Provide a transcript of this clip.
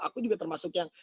aku juga termasuk yang